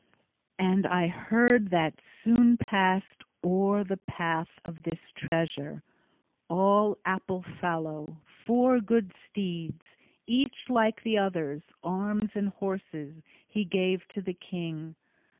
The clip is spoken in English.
And I heard that soon passed o'er the path of this treasure, all apple fallow, four good steeds, each like the others, arms and horses he gave to the king.